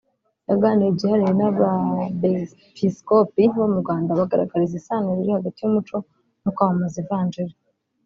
yaganiriye byihariye n’abepiskopi bo mu Rwanda abagaragariza isano riri hagati y’umuco no kwamamaza ivanjili